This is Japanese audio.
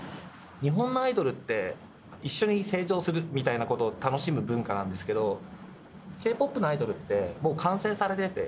日本のアイドルって一緒に成長するみたいなことを楽しむ文化なんですけど、Ｋ−ＰＯＰのアイドルって、もう完成されてて。